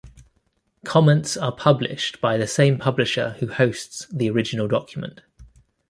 Comments are published by the same publisher who hosts the original document.